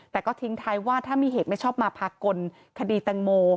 แต่ก็ทิ้งท้ายว่าถ้ามีเหตุไม่ชอบมาพากลคดีแตงโม